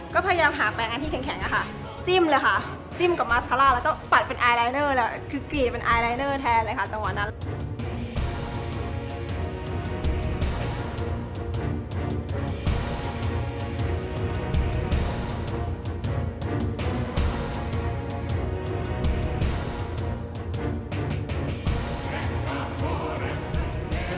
ก็พยายามหาแปลงอันที่แข็งอะค่ะจิ้มเลยค่ะจิ้มกับมาคาร่าแล้วก็ปัดเป็นไอลายเนอร์แล้วคือกรีดเป็นไอลายเนอร์แทนเลยค่ะจังหวะนั้น